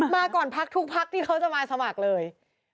มากก่อนทุกภาคที่เขาจะมาสมัครเลย